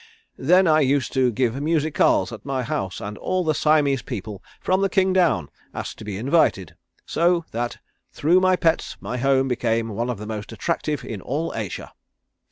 Then I used to give musicales at my house and all the Siamese people, from the King down asked to be invited, so that through my pets my home became one of the most attractive in all Asia.